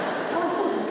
そうですか。